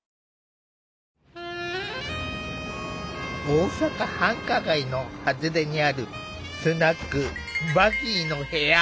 大阪繁華街の外れにあるスナック「バギーの部屋」。